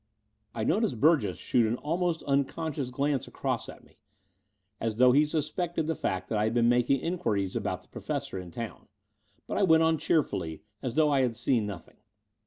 '* I noticed Burgess shoot an almost unconscious glance across at me, as though he suspected the fact that I had been making inquiries about the Professor in town; but I went on cheerfully, as though I had seen nothing.